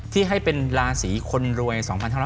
ที่ให้เป็นราศีคนรวย๒๕๖๐